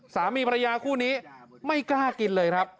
สามีภรรยาคู่นี้ไม่กล้ากินเลยครับ